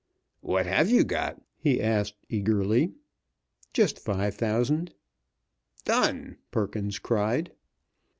"What have you got?" he asked, eagerly. "Just five thousand." "Done!" Perkins cried.